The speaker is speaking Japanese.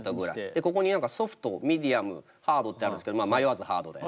でここにソフトミディアムハードってあるんすけど迷わずハードで。